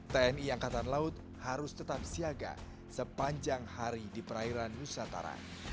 tni angkatan laut harus tetap siaga sepanjang hari di perairan nusantara